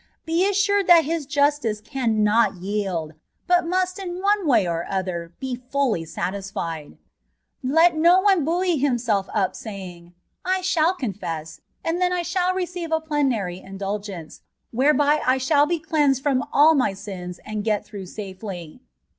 Be assured that His justice cannot yield, but must in one way or other be fully satisfied. Let no one buoy himself up by saying, ' I shall confess / and then I shall receive a plenary indulgence^ whereby I shall be cleansed from ali my sins and get through safely.'